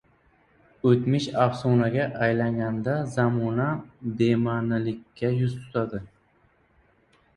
— O‘tmish afsonaga aylanganda zamona bema’nilikka yuz tutadi.